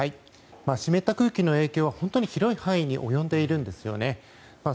湿った空気の影響は広い範囲に及んでいるんですね。